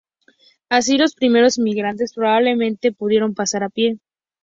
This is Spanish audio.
Así los primeros inmigrantes probablemente pudieron pasar a pie.